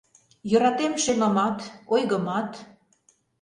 Йӧратем шемымат, ойгымат.